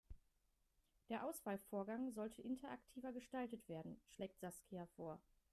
Der Auswahlvorgang sollte interaktiver gestaltet werden, schlägt Saskia vor.